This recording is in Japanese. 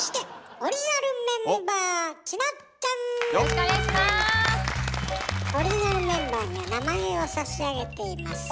オリジナルメンバーには名前を差し上げています。